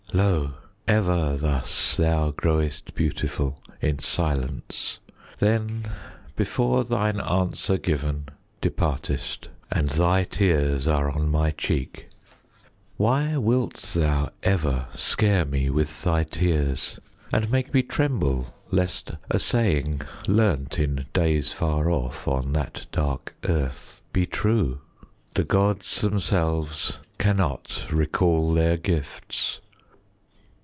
Lo! ever thus thou growest beautiful In silence, then before thine answer given Departest, and thy tears are on my cheek. Why wilt thou ever scare me with thy tears, And make me tremble lest a saying learnt, In days far off, on that dark earth, be true? 'The Gods themselves cannot recall their gifts.'